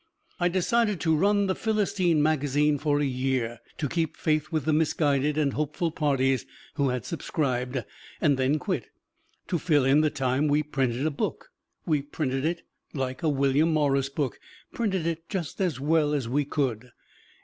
I decided to run "The Philistine" Magazine for a year to keep faith with the misguided and hopeful parties who had subscribed and then quit. To fill in the time, we printed a book: we printed it like a William Morris book printed it just as well as we could.